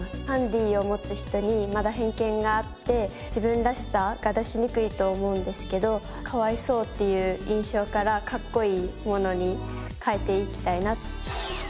ハンディを持つ人にまだ偏見があって自分らしさが出しにくいと思うんですけどかわいそうっていう印象からかっこいいものに変えていきたいな。